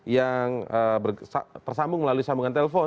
yang tersambung melalui sambungan telepon